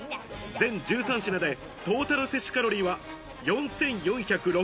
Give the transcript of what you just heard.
全１３品でトータル摂取カロリーは４４６０ｋｃａｌ。